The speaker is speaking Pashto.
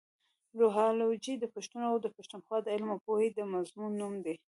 روهالوجي د پښتنو اٶ د پښتونخوا د علم اٶ پوهې د مضمون نوم دې.